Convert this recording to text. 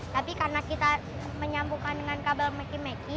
tapi karena kita menyambungkan dengan kabel maki maki